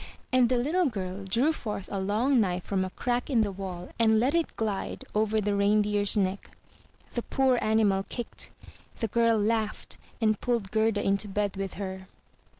and the little girl drew forth a long knife from a crack in the wall, and let it glide over the reindeer's neck. The poor animal kicked; the girl laughed, and pulled Gerda into bed with her.